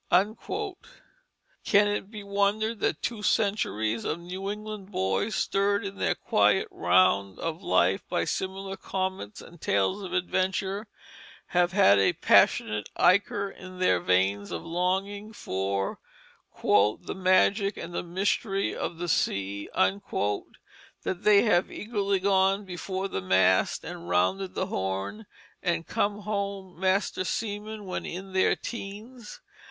Can it be wondered that two centuries of New England boys, stirred in their quiet round of life by similar gay comets and tales of adventure, have had a passionate ichor in their veins of longing for "the magic and the mystery of the sea," that they have eagerly gone before the mast, and rounded the Horn, and come home master seamen when in their teens.